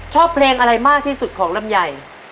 ชอบเพลงอะไรมากที่สุดของลำไย